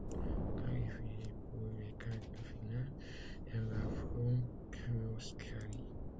Qualifiés pour les quarts de finale, elle affronte l'Australie.